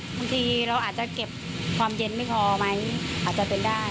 บางทีเราอาจจะเก็บความเย็นไม่พอไหมอาจจะเป็นได้